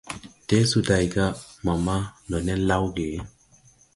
Tɛɛsu day ga: Mama, ndo nen lawge ?